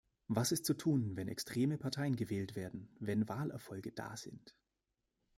Was ist zu tun, wenn extreme Parteien gewählt werden, wenn Wahlerfolge da sind?